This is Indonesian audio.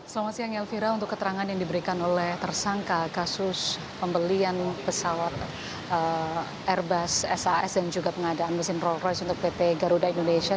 selamat siang elvira untuk keterangan yang diberikan oleh tersangka kasus pembelian pesawat airbus sas dan juga pengadaan mesin roll royce untuk pt garuda indonesia